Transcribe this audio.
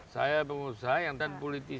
saya pengusaha yang dan politisi